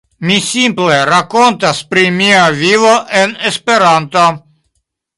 Mi simple rakontas pri mia vivo en Esperanto.